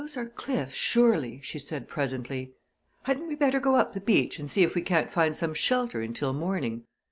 "Those are cliffs, surely," she said presently. "Hadn't we better go up the beach and see if we can't find some shelter until morning?